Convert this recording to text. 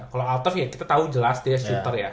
kalau altaf ya kita tahu jelas dia shooter ya